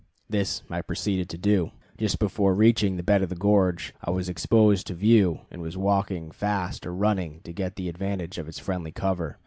This I proceeded to do. Just before reaching the bed of the gorge I was exposed to view, and was walking fast or running to get the advantage of its friendly cover.